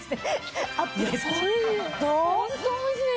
ホントおいしい！